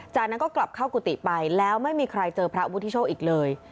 จากนั้นก็กลับเข้ากุฏิไปแล้วไม่มีใครเจอพระวุฒิโชคอีกเลย